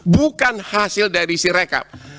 bukan hasil dari si rekap